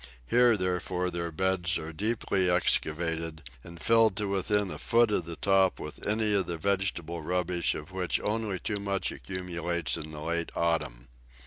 Here, therefore, their beds are deeply excavated, and filled to within a foot of the top with any of the vegetable rubbish of which only too much accumulates in the late autumn.